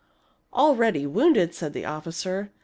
" Already wounded !" said the officer.